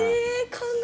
え！